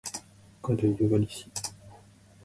北海道夕張市